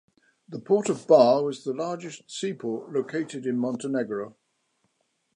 The Port of Bar was the largest seaport located in Montenegro.